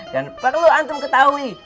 dan perlu antum ketahui